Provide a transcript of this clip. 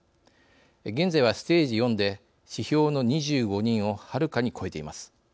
現在は、ステージ４で指標の２５人をはるかに超えています。